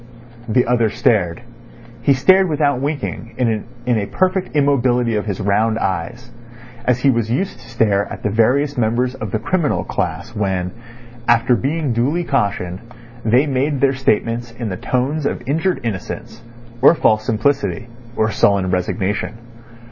The other stared. He stared without winking in a perfect immobility of his round eyes, as he was used to stare at the various members of the criminal class when, after being duly cautioned, they made their statements in the tones of injured innocence, or false simplicity, or sullen resignation.